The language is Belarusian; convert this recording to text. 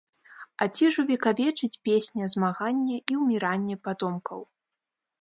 А ці ж увекавечыць песня змаганне і ўміранне патомкаў?